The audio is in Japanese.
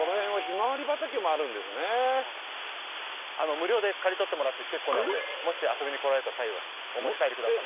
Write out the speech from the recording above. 無料で刈り取ってもらって結構なんでもし遊びに来られた際はお持ち帰り下さい。